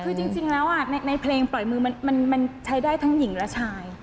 คือจริงแล้วในเพลงปล่อยมือมันใช้ได้ทั้งหญิงและชาย